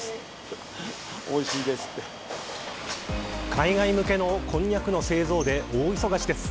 海外向けのこんにゃくの製造で大忙しです。